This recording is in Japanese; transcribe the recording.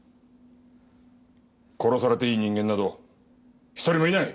殺されていい人間など一人もいない！